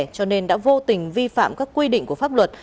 cho nên đã vô tình vi phạm các quy định của pháp luật